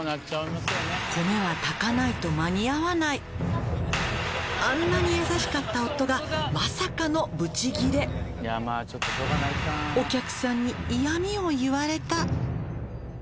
「米は炊かないと間に合わない」「あんなに優しかった夫がまさかのブチギレ」「お客さんに嫌みを言われた」